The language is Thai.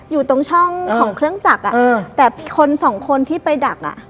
อยู่ตรงช่องของเครื่องจักรแต่มีคนสองคนที่ไปดักอ่ะ